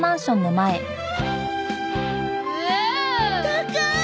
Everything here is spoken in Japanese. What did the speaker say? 高い！